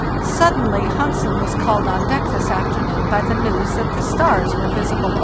Suddenly Hansen was called on deck this after noon by the news that the stars were visible overhead.